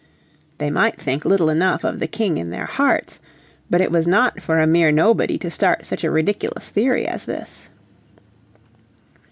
They might think little enough of their King in their hearts, but it was not for a mere nobody to start such a ridiculous theory as this.